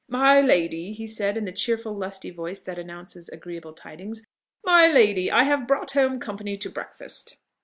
"My lady," he said, in the cheerful lusty voice that announces agreeable tidings, "My lady, I have brought home company to breakfast."